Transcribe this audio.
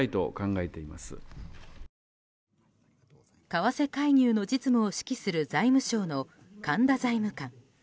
為替介入の実務を指揮する財務省の神田財務官。